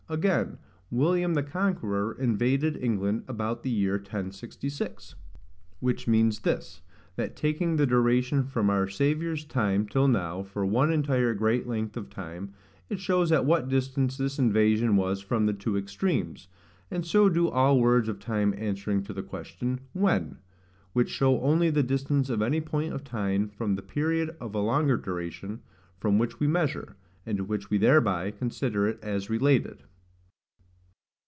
Again, William the Conqueror invaded England about the year 1066; which means this, That, taking the duration from our Saviour's time till now for one entire great length of time, it shows at what distance this invasion was from the two extremes; and so do all words of time answering to the question, WHEN, which show only the distance of any point of time from the period of a longer duration, from which we measure, and to which we thereby consider it as related.